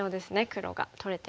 黒が取れてます。